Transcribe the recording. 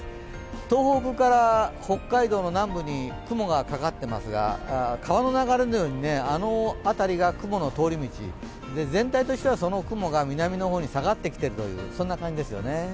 東北から北海道南部に雲がかかっていますが川の流れのように、あの辺りが雲の通り道全体としてはその雲が南の方に下がってきている感じですよね。